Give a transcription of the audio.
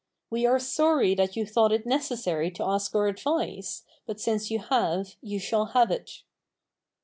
We are sorry that you thought it necessary to ask our advice, but since you have you shall have it.